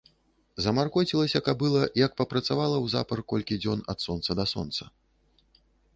Замаркоцілася кабыла, як папрацавала ўзапар колькі дзён ад сонца да сонца.